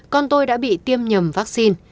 con tôi đã bị tiêm nhầm vaccine